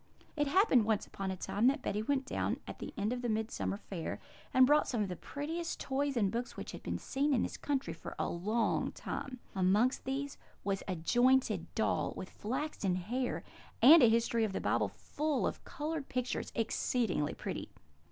"It happened once upon a time that Betty went to town at the end of the Midsummer Fair, and brought some of the prettiest toys and books which had been seen in this country for a long time; amongst these was a jointed doll with flaxen hair, and a history of the Bible full of coloured pictures, exceedingly pretty.